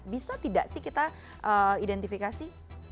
bisa tidak sih kita identifikasi